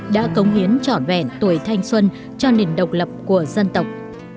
đã cống hiến trọn vẹn tuổi thanh xuân cho nền độc lập của dân tộc